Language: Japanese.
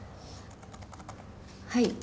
はい。